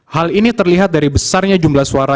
hal ini terlihat dari besarnya jumlah suara